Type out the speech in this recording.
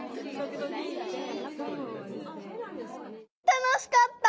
楽しかった！